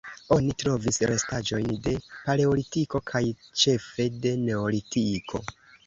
Oni trovis restaĵojn de Paleolitiko kaj ĉefe de Neolitiko.